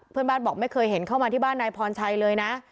เพื่อนบ้านบอกไม่เคยเห็นเข้ามาที่บ้านนายพรชัยเลยนะ